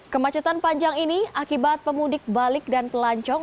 kemacetan panjang ini akibat pemudik balik dan pelancong